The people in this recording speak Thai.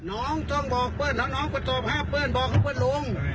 น้องต้องบอกเปิ้ลแล้วน้องก็ตบห้ามเปิ้ลบอกให้เปิ้ลลง